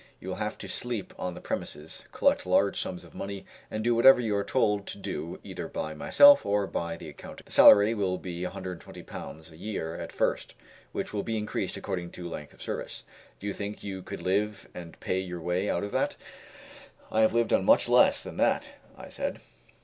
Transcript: "You will have to sleep on the premises, collect large sums of money, and do whatever you are told to do either by myself or by the accountant. The salary will be Ł120 a year at first, which will be increased according to length of service. Do you think you could live and pay your way out of that?" "I have lived on much less than that," I said.